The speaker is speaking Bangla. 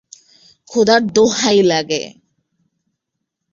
খোদার দোহাই লাগে!